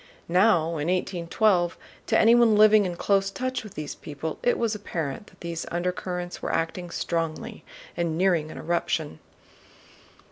Now in 1812, to anyone living in close touch with these people it was apparent that these undercurrents were acting strongly and nearing an eruption.